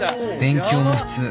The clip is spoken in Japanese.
勉強も普通